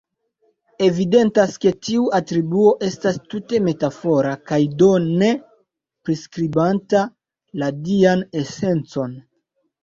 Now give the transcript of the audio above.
Evidentas ke tiu atribuo estas tute metafora kaj, do, ne priskribanta la dian esencon.